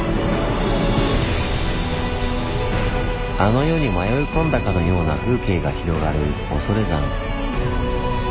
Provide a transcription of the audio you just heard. あの世に迷い込んだかのような風景が広がる恐山。